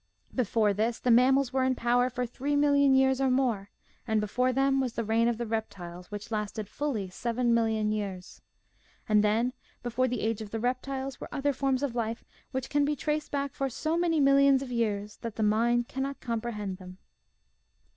Before this the mammals were in power for three million years or more, and be fore them was the reign of the reptiles which lasted fully seven million years. And then, before the age of the reptiles, were other forms of life which can be traced back for so many millions of years that the mind cannot comprehend them.